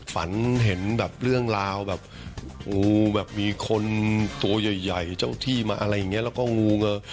ฝันเห็นแบบเรื่องราวแบบงูแบบมีคนตัวใหญ่เจ้าที่มาอะไรอย่างนี้แล้วก็งูเงอ